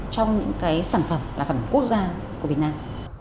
trong những cái sản phẩm là sản phẩm quốc gia của việt nam